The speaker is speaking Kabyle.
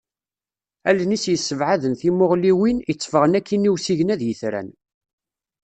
Allen-is yessebɛaden timuɣliwin, itteffɣen akkin i usigna d yitran.